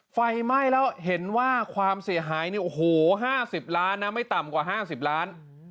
ไฟไหม้แล้วเห็นว่าความเสียหายเนี่ยโอ้โห๕๐ล้านนะไม่ต่ำกว่า๕๐ล้าน